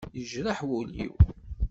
Yejreḥ wul-iw.